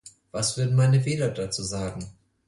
Was würden meine Wähler dazu sagen?